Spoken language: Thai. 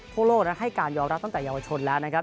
ทั่วโลกนั้นให้การยอมรับตั้งแต่เยาวชนแล้วนะครับ